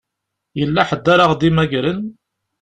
Yella ḥedd ara ɣ-d-imagren?